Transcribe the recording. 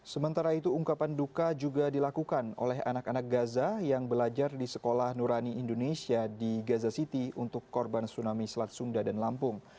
sementara itu ungkapan duka juga dilakukan oleh anak anak gaza yang belajar di sekolah nurani indonesia di gaza city untuk korban tsunami selat sunda dan lampung